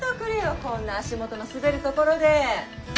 こんな足元の滑る所で！